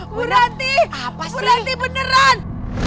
bu ranti bu ranti beneran